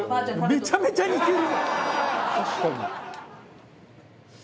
「めちゃめちゃ似てる！」